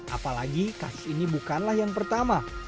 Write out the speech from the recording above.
apalagi kasus ini bukanlah yang pertama